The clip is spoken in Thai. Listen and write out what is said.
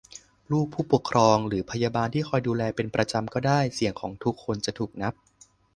ลูก ผู้ปกครอง หรือพยาบาลที่คอยดูแลเป็นประจำก็ได้ - เสียงของทุกคนจะถูกนับ